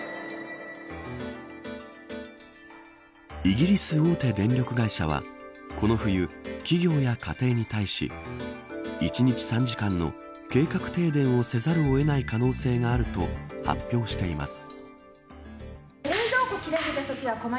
イギリス大手電力会社はこの冬、企業や家庭に対し１日３時間の計画停電をせざるを得ない可能性があると発表しています。